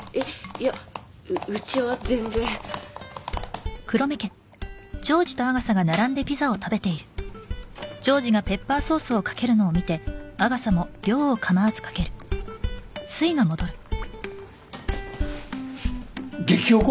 いやうちは全然激おこ？